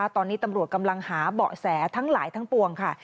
ตอนนี้ตำรวจกำลังหาเบาะแสทั้งหลายทั้งปวงค่ะ